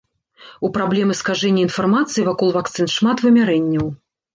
У праблемы скажэння інфармацыі вакол вакцын шмат вымярэнняў.